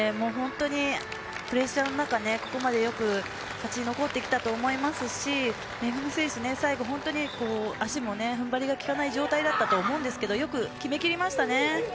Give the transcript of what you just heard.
プレッシャーの中、ここまでよく勝ち残ってきたと思いますしめぐみ選手、最後足も踏ん張りが利かない状態だったと思うんですがよく決め切りましたね。